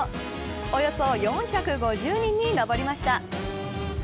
およそ４５０人に上りました。